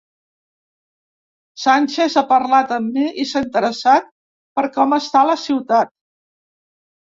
Sánchez ha parlat amb mi i s’ha interessat per com està la ciutat.